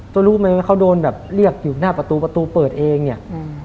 รู้ไหมว่าเขาโดนแบบเรียกอยู่หน้าประตูประตูเปิดเองเนี่ย